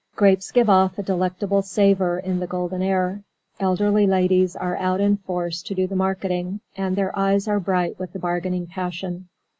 Grapes give off a delectable savour in the golden air. Elderly ladies are out in force to do the marketing, and their eyes are bright with the bargaining passion.